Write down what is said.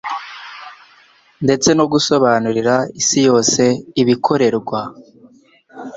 ndetse no gusobanurira Isi yose ibikorerwa